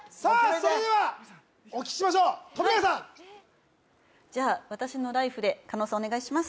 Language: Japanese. それではお聞きしましょう富永さんじゃあ私のライフで狩野さんお願いします